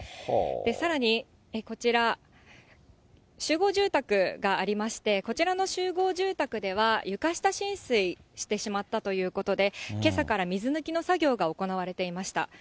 さらにこちら、集合住宅がありまして、こちらの集合住宅では、床下浸水してしまったということで、けさから水抜きの作業が行われていました。